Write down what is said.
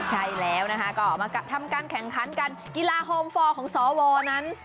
ใช่แล้วนะคะก็มาทำการแข่งขันกันกีฬาโฮมฟอร์ของสวนั้น